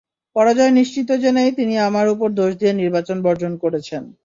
পরাজয় নিশ্চিত জেনেই তিনি আমার ওপর দোষ দিয়ে নির্বাচন বর্জন করেছেন।